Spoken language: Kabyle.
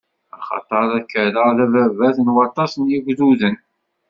Axaṭer ad k-rreɣ d ababat n waṭas n yigduden.